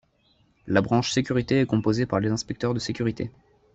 La branche sécurité est composée par les inspecteurs de sécurité.